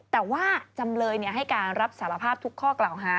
แต่ว่าจำเลยให้การรับสารภาพทุกข้อกล่าวหา